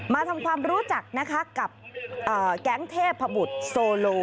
มาทำความรู้จักนะคะกับแก๊งเทพบุตรโซโล